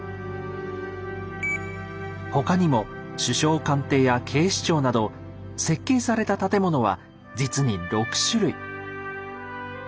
他にも「首相官邸」や「警視庁」など設計された建物は実に６種類。